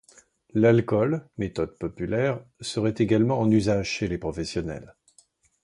L'alcool, méthode populaire, serait également en usage chez les professionnels.